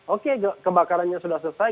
oke kebakarannya sudah selesai